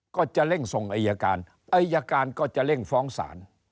ก็จะเร่งส่งอายการอายการก็จะเร่งฟ้องศาล